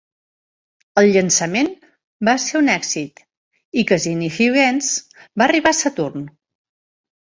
El llançament va ser un èxit i "Cassini-Huygens" va arribar a Saturn.